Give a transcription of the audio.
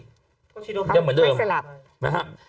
อย่างเหมือนเริ่มยังไม่สลับ